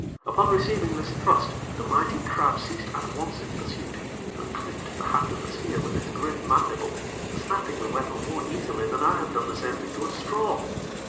Upon receiving this thrust, the mighty crab ceased at once its pursuit, and clipped at the haft of the spear with its great mandible, snapping the weapon more easily than I had done the same thing to a straw.